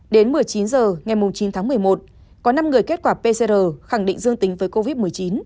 đến một mươi chín h ngày chín tháng một mươi một có năm người kết quả pcr khẳng định dương tính với covid một mươi chín